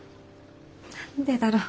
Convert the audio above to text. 何でだろう？